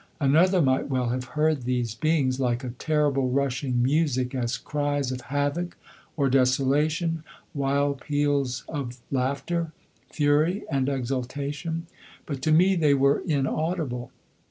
Another might well have heard these beings like a terrible, rushing music, as cries of havoc or desolation, wild peals of laughter, fury and exultation. But to me they were inaudible.